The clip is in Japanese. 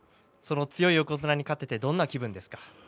強い横綱に勝ててどんな気分ですか。